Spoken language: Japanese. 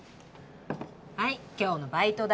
はい今日のバイト代。